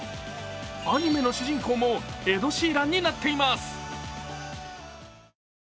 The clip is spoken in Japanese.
アニメの主人公もエド・シーランになっています。